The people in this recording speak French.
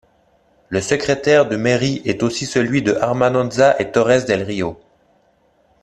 Le secrétaire de mairie est aussi celui de Armañanzas et Torres del Rio.